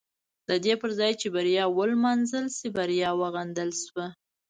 د دې پر ځای چې بریا ونمانځل شي بریا وغندل شوه.